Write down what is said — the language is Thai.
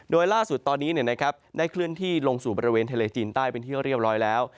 โดยล่าสุดตอนนี้ได้เคลื่อนที่ลงสู่บริเวณทะเลจีนใต้เป็นที่เรียบร้อยแล้ว